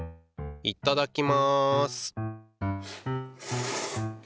いただきます